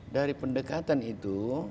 dari pendekatan itu